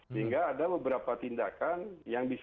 sehingga ada beberapa tindakan yang bisa